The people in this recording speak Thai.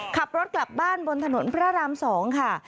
ขับรถกลับบ้านบนถนนพระราม๒ค่ะ